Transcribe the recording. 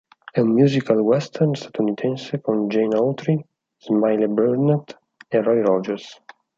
È un musical western statunitense con Gene Autry, Smiley Burnette e Roy Rogers.